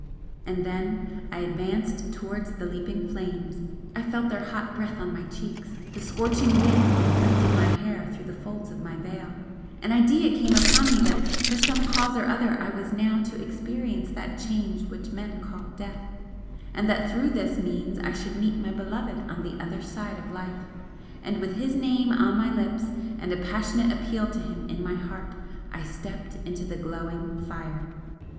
And then I advanced towards the leaping flames. I felt their hot breath on my cheeks the scorching wind of them lifted my hair through the folds of my veil an idea came upon me that for some cause or other I was now to experience that 'Change which men call Death' and that through this means I should meet my Beloved on the other side of life and with his name on my lips, and a passionate appeal to him in my heart, I stepped into the glowing fire.